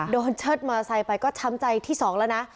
โดนเชิดมาใส่ไปก็ช้ำใจที่๒แล้วนะ